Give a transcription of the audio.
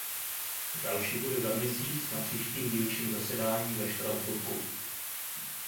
Další bude za měsíc na příštím dílčím zasedání ve Štrasburku.